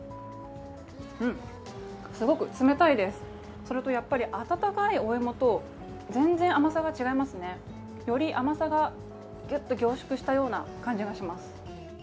すごく冷たいです、それと、やっぱり温かいお芋と全然甘さが違いますね、より甘さがギュッと凝縮したような感じがします。